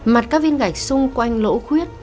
mặt các viên gạch xung quanh lỗ khuyết